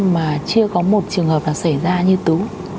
mà chưa có một trường hợp nào xảy ra như tú